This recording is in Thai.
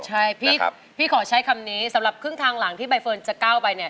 ใช่พี่ขอใช้คำนี้สำหรับครึ่งทางหลังที่ใบเฟิร์นจะก้าวไปเนี่ย